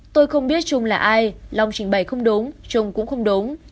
tôi không biết trung là ai long trình bày không đúng trung cũng không đúng